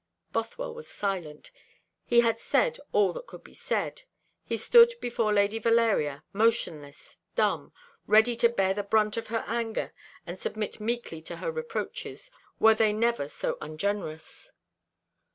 Bothwell was silent. He had said all that could be said. He stood before Lady Valeria motionless, dumb, ready to bear the brunt of her anger and submit meekly to her reproaches, were they never so ungenerous.